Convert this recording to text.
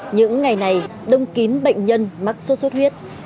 những ngày này đông kín bệnh nhân mắc sốt xuất huyết